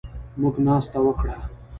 موږ ناسته وکړه